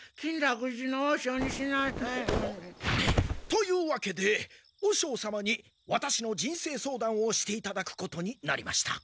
というわけで和尚様にワタシの人生相談をしていただくことになりました。